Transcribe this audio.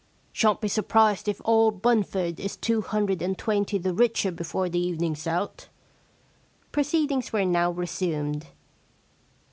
Shan't be surprised if old Bunford is two hundred and twenty the richer before the evening's out,' Proceedings were now resumed.